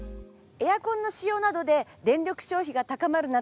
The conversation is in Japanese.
エアコンの使用などで電力消費が高まる夏。